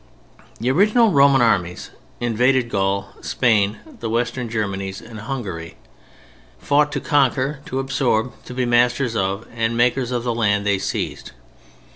The original Roman armies invading Gaul, Spain, the western Germanies and Hungary, fought to conquer, to absorb, to be masters of and makers of the land they seized.